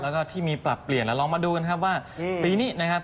แล้วก็ที่มีปรับเปลี่ยนลองมาดูกันครับว่าปีนี้นะครับ